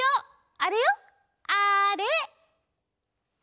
あれよあれ！